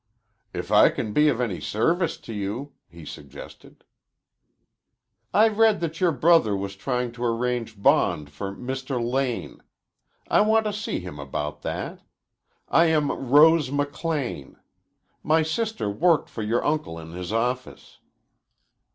"If I can be of any service to you," he suggested. "I read that your brother was trying to arrange bond for Mr. Lane. I want to see him about that. I am Rose McLean. My sister worked for your uncle in his office."